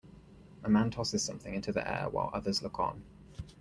A man tosses something into the air while others look on.